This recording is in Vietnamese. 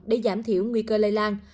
để giảm thiểu nguy cơ lây lan